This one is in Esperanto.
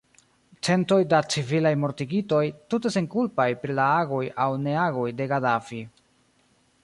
Centoj da civilaj mortigitoj, tute senkulpaj pri la agoj aŭ neagoj de Gadafi.